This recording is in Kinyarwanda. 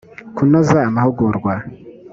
kunoza amahugurwa